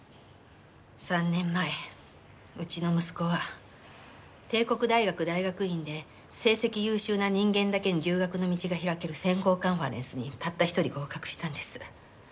３年前うちの息子は帝国大学大学院で成績優秀な人間だけに留学の道が開ける選考カンファレンスにたった１人合格したんです。